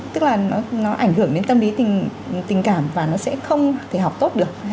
tức là nó ảnh hưởng đến tâm lý tình cảm và nó sẽ không thể học tốt được